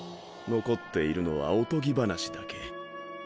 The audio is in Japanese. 残っているのはおとぎ話だけ。